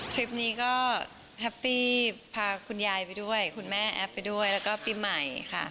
คลิปนี้ก็แฮปปี้พาคุณยายไปด้วยคุณแม่แอฟไปด้วยแล้วก็ปีใหม่ค่ะ